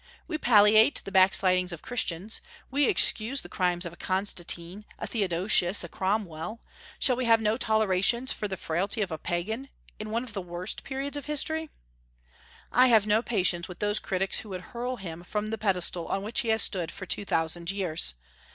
We palliate the backslidings of Christians; we excuse the crimes of a Constantine, a Theodosius, a Cromwell: shall we have no toleration for the frailties of a Pagan, in one of the worst periods of history? I have no patience with those critics who would hurl him from the pedestal on which he has stood for two thousand years.